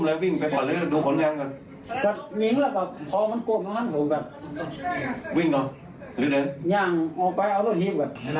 หน้าผากพูดว่าไหนมันโอ้มันปืนนั่นโรคปืนมันปืนเข้าใส่เห็นดี